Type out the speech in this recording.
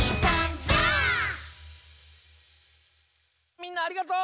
みんなありがとう！